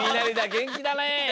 げんきだね。